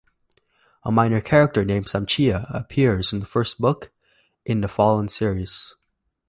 A minor character named Samchia appears in the first book in The Fallen series.